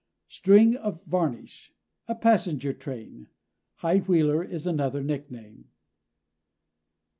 STRING OF VARNISH a passenger train. High wheeler is another nickname.